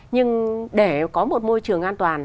nhưng để có một môi trường an toàn